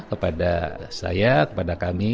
kepada saya kepada kami